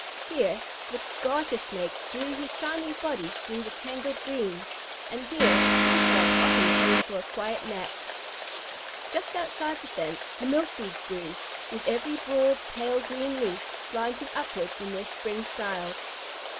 Here the Garter Snake drew his shining body through the tangled green, and here the Tree Frog often came for a quiet nap. Just outside the fence the milkweeds grew, with every broad, pale green leaf slanting upward in their spring style.